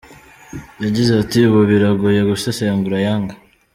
Yagize ati “Ubu biragoye gusesengura Young.